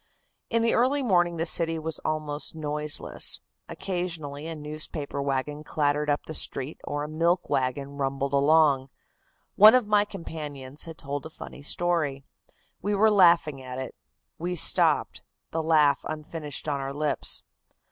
In the early morning the city was almost noiseless. Occasionally a newspaper wagon clattered up the street or a milk wagon rumbled along. One of my companions had told a funny story. We were laughing at it. We stopped the laugh unfinished on our lips.